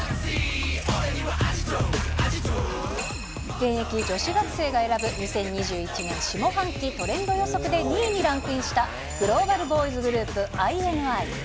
現役女子学生が選ぶ２０２１年下半期トレンド予測で２位にランクインした、グローバルボーイズグループ、ＩＮＩ。